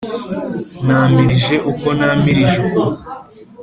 Ntamilije uko ntamirije uku.